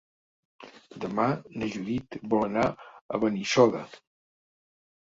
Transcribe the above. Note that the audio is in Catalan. Demà na Judit vol anar a Benissoda.